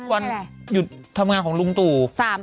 วันหยุดทำงานของลุงตู่